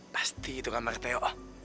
pasti itu kamarnya teo